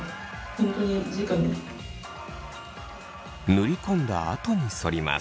塗り込んだあとにそります。